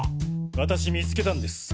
私見つけたんです。